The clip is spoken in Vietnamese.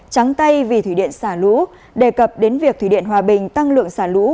trắng tay vì thủy điện xả lũ đề cập đến việc thủy điện hòa bình tăng lượng xả lũ